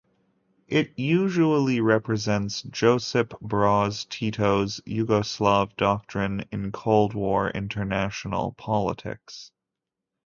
It usually represents Josip Broz Tito's Yugoslav doctrine in Cold War international politics.